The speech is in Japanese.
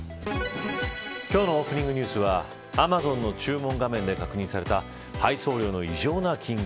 今日のオープニングニュースはアマゾンの注文画面で確認された配送料の異常な金額。